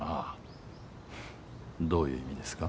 フッどういう意味ですか？